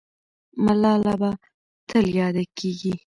ملاله به تل یاده کېږي.